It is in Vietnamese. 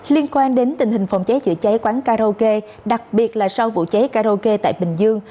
liên quan đến tình hình phòng cháy chữa cháy quán karaoke đặc biệt là sau vụ cháy karaoke tại bình dương